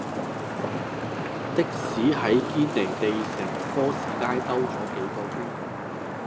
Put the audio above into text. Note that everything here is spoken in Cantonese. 的士喺堅尼地城科士街兜左幾個圈